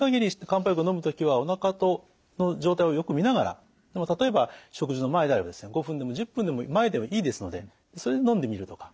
漢方薬をのむ時はおなかの状態をよく見ながら例えば食事の前であれば５分でも１０分でも前でいいですのでそれでのんでみるとか。